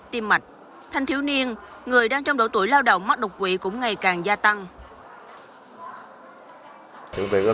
tim mạch thanh thiếu niên người đang trong độ tuổi lao động mắc đột quỵ cũng ngày càng gia tăng